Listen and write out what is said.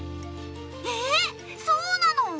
えっそうなの！？